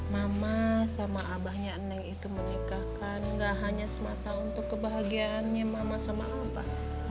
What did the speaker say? mama sama abahnya neng itu menikahkan gak hanya semata untuk kebahagiaannya mama sama abah